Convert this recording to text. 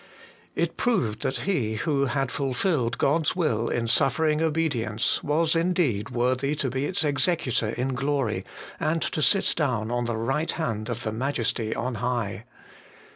It proved that He, who had fulfilled God's will in suffering obedience, was indeed worthy to be its executor in glory, and to sit down on the right hand of the Majesty on high.